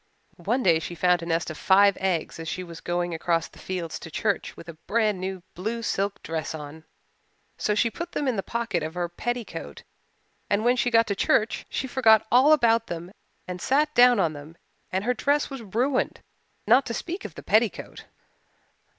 One day she found a nest of five eggs as she was going across the fields to church with a brand new blue silk dress on. So she put them in the pocket of her petticoat and when she got to church she forgot all about them and sat down on them and her dress was ruined, not to speak of the petticoat.